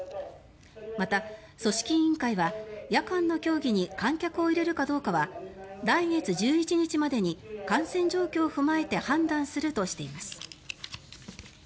また、組織委員会は夜間の競技に観客を入れるかどうかは来月１１日までに感染状況を踏まえて判断するとしています。